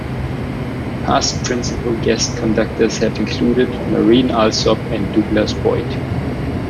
Past principal guest conductors have included Marin Alsop and Douglas Boyd.